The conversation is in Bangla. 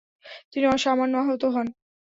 তিনি সামান্য আহত হন।